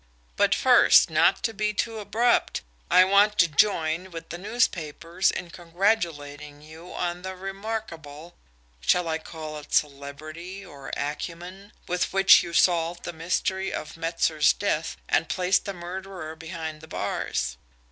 But first, not to be too abrupt, I want to join with the newspapers in congratulating you on the remarkable shall I call it celerity, or acumen? with which you solved the mystery of Metzer's death, and placed the murderer behind the bars.